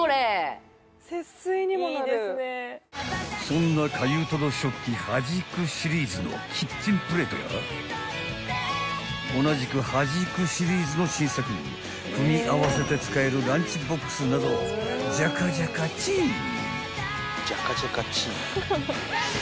［そんなかゆ届食器ＨＡＪＩＫＵシリーズのキッチンプレートや同じくＨＡＪＩＫＵシリーズの新作組み合わせて使えるランチボックスなどジャカジャカチン］